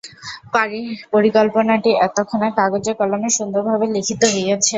পরিকল্পনাটি এতক্ষণে কাগজে কলমে সুন্দরভাবে লিখিত হইয়াছে।